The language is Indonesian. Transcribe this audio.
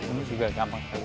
ini juga gampang sekali